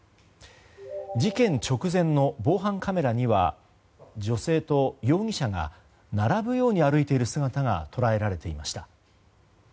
事件直前の防犯カメラには女性と容疑者が並ぶように歩いている姿が捉えられていました。